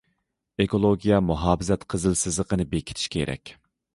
ئېكولوگىيە مۇھاپىزەت قىزىل سىزىقىنى بېكىتىش كېرەك.